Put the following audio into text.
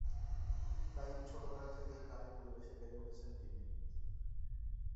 তাই ছোটবেলা থেকেই গানের পরিবেশে বেড়ে উঠেছেন তিনি।